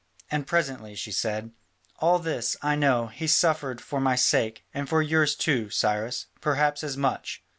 And presently she said, "All this, I know, he suffered for my sake, and for yours too, Cyrus, perhaps as much.